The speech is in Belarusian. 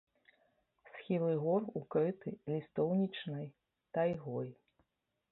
Схілы гор укрыты лістоўнічнай тайгой.